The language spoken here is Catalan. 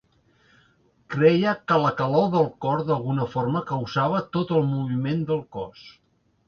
Creia que la calor del cor d'alguna forma causava tot el moviment del cos.